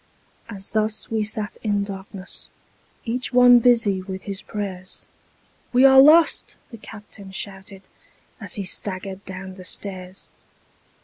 As thus we sat in darkness Each one busy with his prayers, "We are lost!" the captain shouted, As he staggered down the stairs.